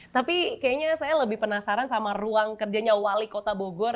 tapi kayaknya saya lebih penasaran sama ruang kerjanya wali kota bogor